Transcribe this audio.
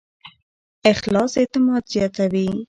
اخلاص اعتماد زیاتوي.